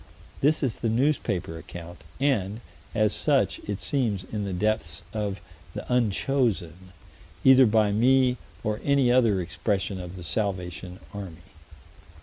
This is the newspaper account, and, as such, it seems in the depths of the unchosen, either by me or any other expression of the Salvation Army.